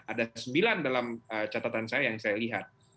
ada sembilan dalam catatan saya yang saya lihat